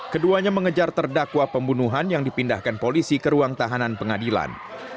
keduanya mengejar terdakwa pembunuhan yang dipindahkan polisi ke ruang tahanan pengadilan